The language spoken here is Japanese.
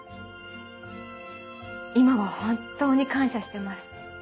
今は本当に感謝してます。